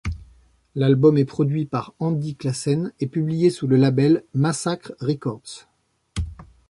L'album est produit par Andy Classen, et publié sous le label Massacre Records.